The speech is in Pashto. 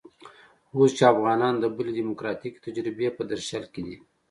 اوس چې افغانان د بلې ډيموکراتيکې تجربې په درشل کې دي.